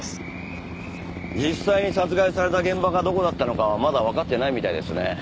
実際に殺害された現場がどこだったのかはまだわかってないみたいですね。